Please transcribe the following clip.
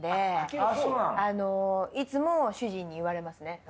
いつも主人に言われますね